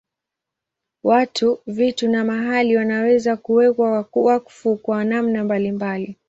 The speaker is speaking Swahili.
Watu, vitu na mahali wanaweza kuwekwa wakfu kwa namna mbalimbali.